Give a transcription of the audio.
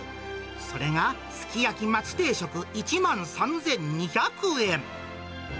それがすき焼き松定食１万３２００円。